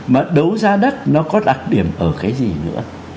mà đấu giá đất nó có đặc điểm ở cái gì nữa